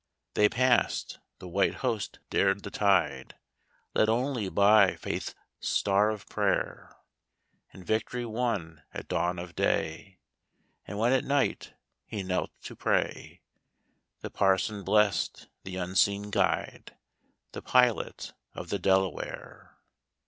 They passed — the white host dared the tide, Led only by Faith's Star of prayer, And victory won at dawn of day ; And when at night he knelt to pray. The parson blessed the Unseen Guide, The Pilot of the Delaware.